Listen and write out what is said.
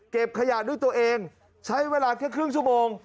ขยะด้วยตัวเองใช้เวลาแค่ครึ่งชั่วโมง